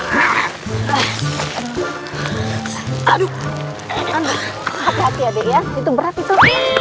hati hati ya dek ya itu berat itu